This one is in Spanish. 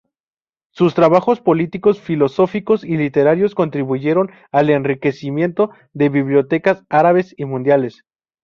Sus trabajos políticos, filosóficos y literarios contribuyeron al enriquecimiento de bibliotecas árabes y mundiales.